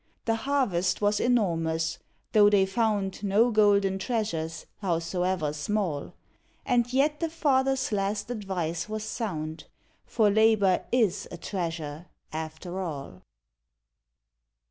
The harvest was enormous, though they found No golden treasures, howsoever small. And yet the father's last advice was sound, For Labour is a treasure, after all.